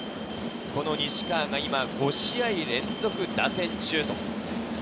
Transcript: この西川が今５試合連続打点中。